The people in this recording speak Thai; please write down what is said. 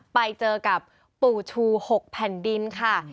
ไปเจอกับปู่ชู๖แผ่นดินค่ะ